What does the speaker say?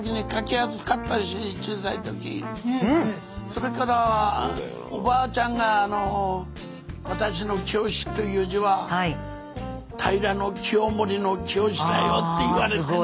それからおばあちゃんがあの私の「清」という字は平清盛の清だよって言われてね。